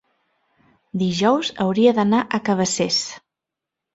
dijous hauria d'anar a Cabacés.